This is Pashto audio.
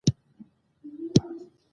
افغانستان د نفت په اړه علمي څېړنې لري.